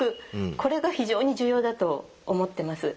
これが非常に重要だと思ってます。